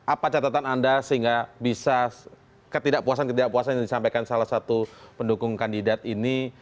apa catatan anda sehingga bisa ketidakpuasan ketidakpuasan yang disampaikan salah satu pendukung kandidat ini